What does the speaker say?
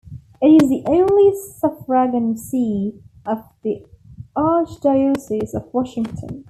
It is the only suffragan see of the Archdiocese of Washington.